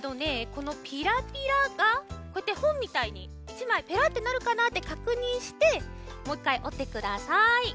このピラピラがこうやってほんみたいに１まいペラってなるかなってかくにんしてもう１かいおってください。